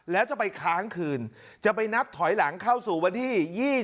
แล้วจะไปค้างคืนจะไปนับถอยหลังเข้าสู่วันที่๒๐